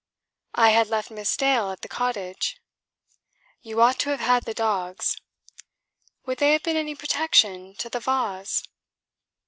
"I had left Miss Dale at the cottage." "You ought to have had the dogs." "Would they have been any protection to the vase?"